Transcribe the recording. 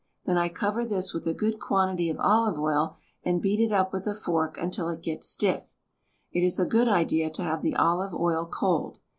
Then I cover this with a good quantity of olive oil and beat it up with a fork until it gets stiff. It is a good idea to have the olive oil cold.